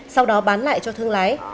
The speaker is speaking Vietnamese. sau đó bán lại cho thương lái